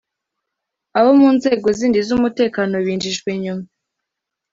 Abo mu nzego zindi z’ umutekano binjijwe nyuma.